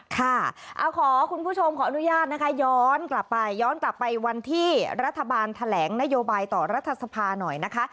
ค่ะขอคุณผู้ชมขออนุญาตนะคะย้อนกลับไปย้อนกลับไปวันที่รัฐบาลแถลงนโยบายต่อรัฐสภาหน่อยนะคะ